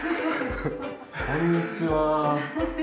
こんにちは。